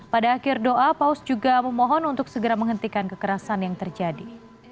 pada akhir doa paus juga memohon untuk segera menghentikan kekerasan yang terjadi